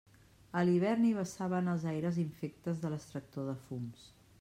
A l'hivern hi vessaven els aires infectes de l'extractor de fums.